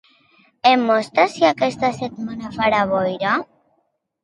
Em mostres si aquesta setmana farà boira?